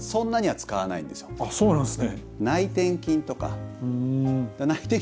そうなんですか。